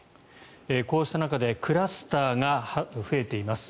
こうした中でクラスターが増えています。